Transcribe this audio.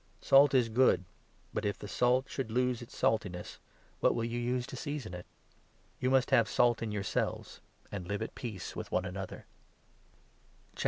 Salt is good, but, if the salt should 50 lose its saltness, what will you use to season it ? You must have salt in yourselves, and live at peace with one another," ?1 Bos. 6. 2. « Isa. 66.